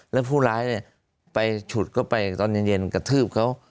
แล้วผู้ร้ายเนี่ยไปฉุดเข้าไปตอนเย็นกระทืบเขา